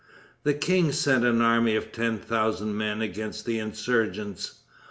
The king sent an army of ten thousand men against the insurgents.